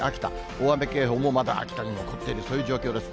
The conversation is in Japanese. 大雨警報もまだ秋田に残っている、そういう状況です。